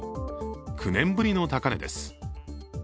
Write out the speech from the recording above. ９年ぶりの高値です。